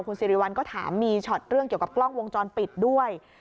คุณสิริวัลก็ถามมีช็อตเรื่องเกี่ยวกับกล้องวงจรปิดด้วย